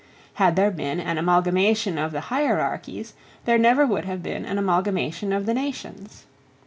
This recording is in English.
Had there been an amalgamation of the hierarchies, there never would have been an amalgamation of the nations.